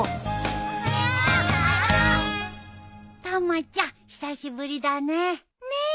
たまちゃん久しぶりだね。ね。